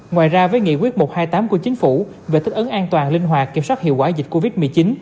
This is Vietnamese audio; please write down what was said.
ngoài ra với nghị quyết một trăm hai mươi tám của chính phủ về thích ấn an toàn linh hoạt kiểm soát hiệu quả dịch covid một mươi chín